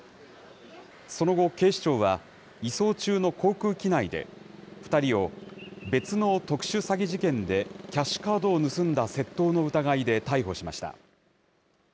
その後、警視庁は、移送中の航空機内で、２人を別の特殊詐欺事件でキャッシュカードを盗んだ窃盗の疑いで逮捕しました。